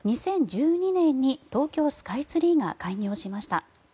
２０１２年に東京スカイツリーが開業しました。